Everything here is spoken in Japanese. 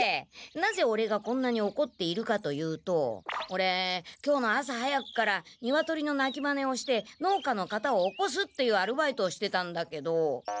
なぜオレがこんなにおこっているかというとオレ今日の朝早くからニワトリのなきまねをして農家の方を起こすっていうアルバイトをしてたんだけど。